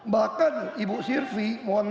bahkan ibu sirvi